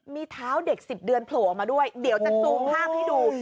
มีเท้าเด็ก๑๐เดือนโผล่ออกมาด้วยเดี๋ยวจะซูมภาพให้ดู